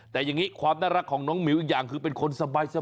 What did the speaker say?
แต่อย่างนี้ความน่ารักของน้องหมิวอีกอย่างคือเป็นคนสบาย